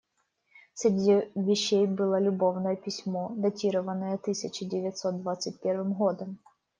Среди вещей было любовное письмо, датированное тысяча девятьсот двадцать первым годом.